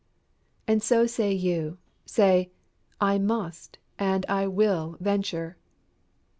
And so say you. Say, I must and I will venture!